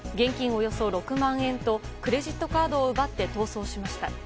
およそ６万円とクレジットカードを奪って逃走しました。